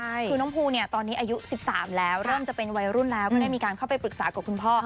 คือน้องภูเนี่ยตอนนี้อายุ๑๓แล้วเริ่มจะเป็นวัยรุ่นแล้วก็ได้มีการเข้าไปปรึกษากับคุณพ่อ